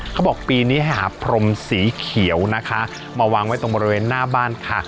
เขาบอกปีนี้หาพรมสีเขียวนะคะมาวางไว้ตรงบริเวณหน้าบ้านค่ะ